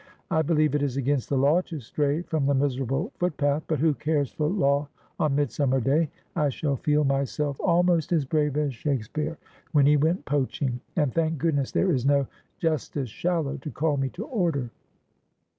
I believe it is against the law to stray from the miserable footpath ; but who cares for law on Mid summer day ? I shall feel myself almost as brave as Shakespeare when he went poaching ; and thank goodness there is no Justice Shallow to call me to order.'